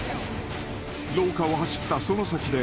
［廊下を走ったその先で］